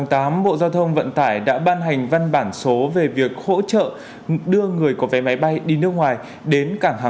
đảm bảo an toàn phòng dịch